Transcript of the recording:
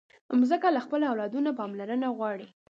مځکه له خپلو اولادونو پاملرنه غواړي.